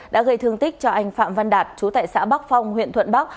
đã gây thương tích cho anh phạm văn đạt chú tại xã bắc phong huyện thuận bắc